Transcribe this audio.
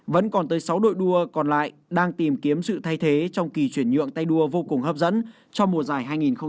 vẫn còn tới sáu đội đua còn lại đang tìm kiếm sự thay thế trong kỳ chuyển nhượng tay đua vô cùng hấp dẫn cho mùa giải hai nghìn hai mươi